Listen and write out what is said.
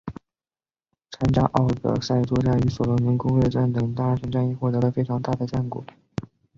参加敖德萨作战与所罗门攻略战等大型战役获得了非常大的战果。